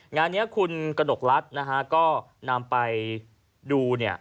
งานนี้คุณกระหนกรัฐนะฮะก็นำไปดูเนี่ย